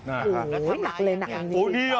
อู๋ยหนักเลยหนัก